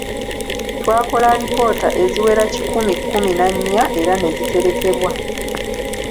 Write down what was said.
Twakola alipoota eziwera kikumi kkumi na nnya era ne ziterekebwa.